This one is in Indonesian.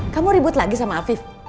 kamu ribut lagi sama afif